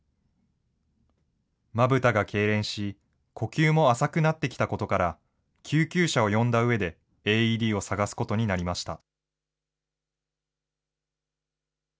まぶたがけいれんし、呼吸も浅くなってきたことから、救急車を呼んだうえで、ＡＥＤを探すことになりました。